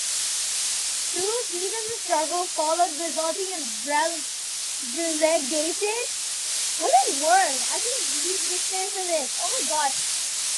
Two seasons of struggle followed resulting in relegation.